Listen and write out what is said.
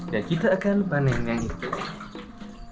dan kita akan panen yang itu